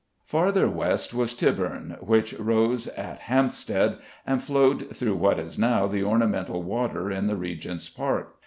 Farther west was Tybourne, which rose at Hampstead and flowed through what is now the ornamental water in the Regent's Park.